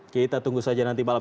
kita tunggu saja nanti malam